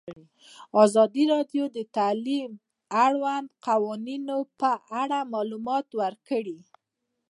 ازادي راډیو د تعلیم د اړونده قوانینو په اړه معلومات ورکړي.